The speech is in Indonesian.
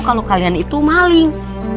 kalau kalian itu maling